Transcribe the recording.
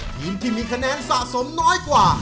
ทีมที่มีคะแนนสะสมน้อยกว่า